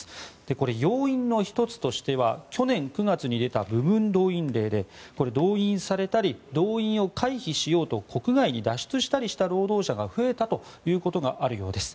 これ、要因の１つとしては去年９月に出た部分動員令で動員されたり動員を回避しようと国外に脱出したりした労働者が増えたということがあるようです。